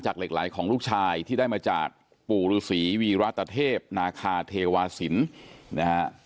เหล็กไหลของลูกชายที่ได้มาจากปู่ฤษีวีรัตเทพนาคาเทวาสินนะฮะ